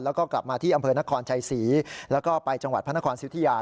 แล้วก็กลับมาที่อำเภอนครชัยศรีแล้วก็ไปจังหวัดพระนครสิทธิยา